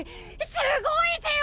すごいぜよ！